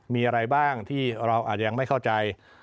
มีอะไรบ้างที่เราอาจจะยังไม่เข้าใจ